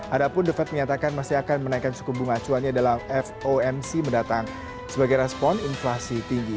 adapun the fed menyatakan masih akan menaikkan suku bunga acuannya dalam fomc mendatang sebagai respon inflasi tinggi